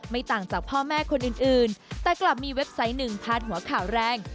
ต่างจากพ่อแม่คนอื่นแต่กลับมีเว็บไซต์หนึ่งพาดหัวข่าวแรง